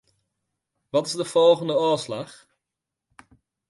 Wat is de folgjende ôfslach?